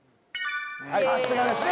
さすがですね